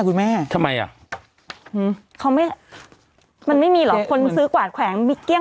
คุณแม่ทำไมอ่ะอืมเขาไม่มันไม่มีเหรอคนซื้อกวาดแขวงบิ๊กเกี้ย